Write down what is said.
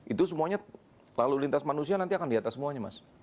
itu semuanya lalu lintas manusia nanti akan di atas semuanya mas